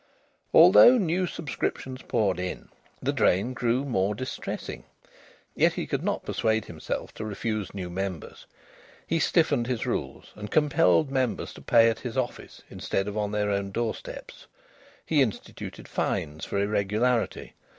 Although new subscriptions poured in, the drain grew more distressing. Yet he could not persuade himself to refuse new members. He stiffened his rules, and compelled members to pay at his office instead of on their own doorsteps; he instituted fines for irregularity.